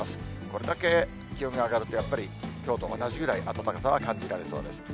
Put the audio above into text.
これだけ気温が上がると、やっぱりきょうと同じぐらい、暖かさは感じられそうです。